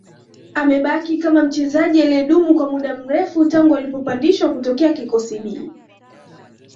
Amebaki kama mchezaji aliyedumu kwa muda mrefu tangu alipopandishwa kutokea kikosi B